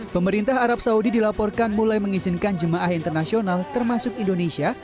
pemerintah arab saudi dilaporkan mulai mengizinkan jemaah internasional termasuk indonesia